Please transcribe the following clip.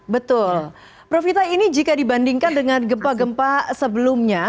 betul prof vita ini jika dibandingkan dengan gempa gempa sebelumnya